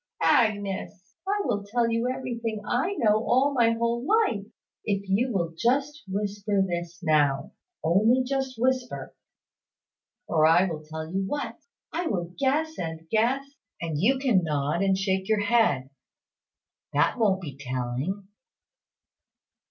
Agnes, I will tell you everything I know all my whole life, if you will just whisper this now. Only just whisper. Or, I will tell you what. I will guess and guess; and you can nod or shake your head. That won't be telling."